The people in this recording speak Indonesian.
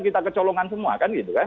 kita kecolongan semua kan gitu kan